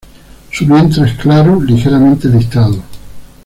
Su vientre es claro ligeramente listado.